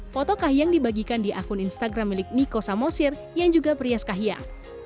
foto kahiyang dibagikan di akun instagram milik niko samosir yang juga berias kahiyang